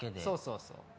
そうそうそう。